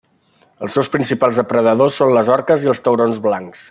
Els seus principals depredadors són les orques i els taurons blancs.